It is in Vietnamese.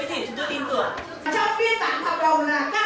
sẽ trị trả cho chúng tôi tháng sáu không trị trả